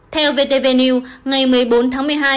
theo vtv new ngày một mươi bốn tháng một mươi hai